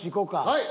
はい！